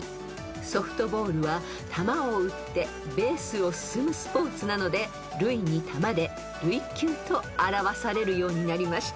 ［ソフトボールは球を打ってベースを進むスポーツなので塁に球で塁球と表されるようになりました］